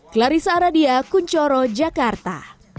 clarissa aradia kunchoro jakarta